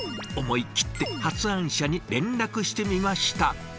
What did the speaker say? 思い切って発案者に連絡してみました。